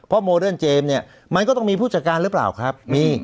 โมเดิร์นเจมส์เนี่ยมันก็ต้องมีผู้จัดการหรือเปล่าครับมี